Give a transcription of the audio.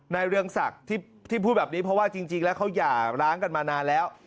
เรืองศักดิ์ที่พูดแบบนี้เพราะว่าจริงแล้วเขาหย่าร้างกันมานานแล้ว